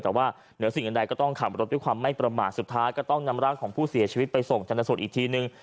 แต่ว่าเหนือสิ่งอื่นใดก็ต้องขับรถด้วยความไม่ประมาทสุดท้ายก็ต้องนำร่างของผู้เสียชีวิตไปส่งชนสูตรอีกทีนึง